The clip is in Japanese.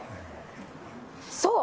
そう。